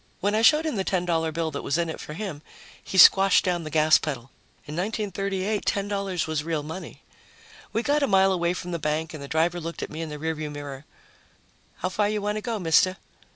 When I showed him the $10 bill that was in it for him, he squashed down the gas pedal. In 1938, $10 was real money. We got a mile away from the bank and the driver looked at me in the rear view mirror. "How far you want to go, mister?"